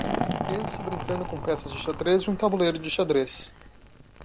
Criança brincando com peças de xadrez em um tabuleiro de xadrez.